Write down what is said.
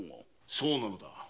そうなんだ。